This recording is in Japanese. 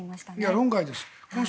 論外です。